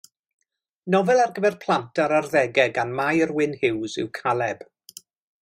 Nofel ar gyfer plant a'r arddegau gan Mair Wynn Hughes yw Caleb.